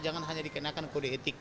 jangan hanya dikenakan kode etik